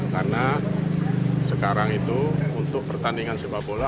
karena sekarang itu untuk pertandingan sepak bola